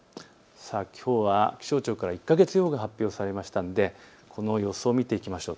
きょうは気象庁から１か月予報が発表されましたのでこの予想を見ていきましょう。